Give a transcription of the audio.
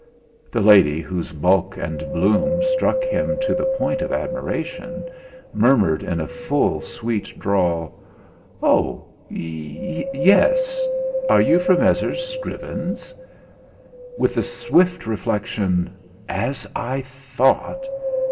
The lady, whose bulk and bloom struck him to the point of admiration, murmured in a full, sweet drawl: "Oh! Ye es. Are you from Messrs. Scrivens?" With the swift reflection: 'As I thought!'